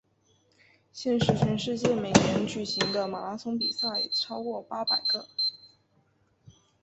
现时全世界每年举行的马拉松比赛超过八百个。